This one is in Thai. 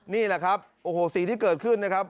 นี่แหละครับโอ้โหสิ่งที่เกิดขึ้นนะครับ